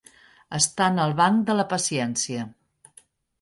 Estar en el banc de la paciència.